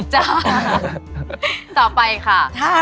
จ้า